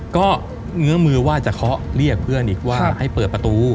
ก็เงื้อมือว่าจะเคาะเรียกเพื่อนอีกว่าให้เปิดประตู